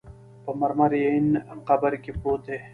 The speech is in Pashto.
په مرمرین قبر کې پروت دی.